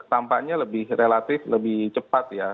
tampaknya lebih relatif lebih cepat ya